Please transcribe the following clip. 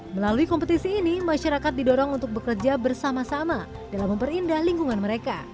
melalui kompetisi ini masyarakat didorong untuk bekerja bersama sama dalam memperindah lingkungan mereka